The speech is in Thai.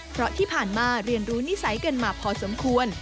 เพราะที่ผ่านมาเรียนรู้นิสัยกันมาพอสมควร